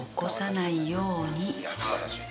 「いや素晴らしい」